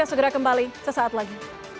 segera kembali sesaat lagi